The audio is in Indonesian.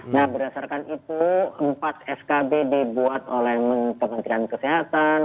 nah berdasarkan itu empat skb dibuat oleh kementerian kesehatan